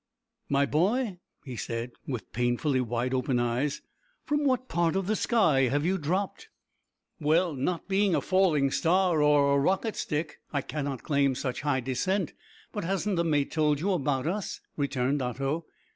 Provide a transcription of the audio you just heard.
"My boy," he said, with painfully wide open eyes, "from what part of the sky have you dropt?" "Well, not being a falling star or a rocket stick, I cannot claim such high descent, but hasn't the mate told you about us?" returned Otto.